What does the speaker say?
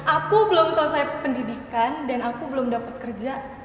aku belum selesai pendidikan dan aku belum dapat kerja